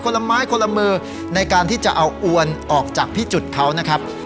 ละไม้คนละมือในการที่จะเอาอวนออกจากพิจุดเขานะครับ